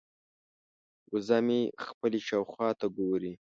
وزه مې خپلې شاوخوا ته ګوري.